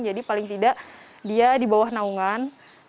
jadi paling tidak dia di bawah naungan